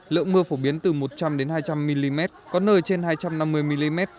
lượng mưa phổ biến từ một trăm linh hai trăm linh mm có nơi trên hai trăm năm mươi mm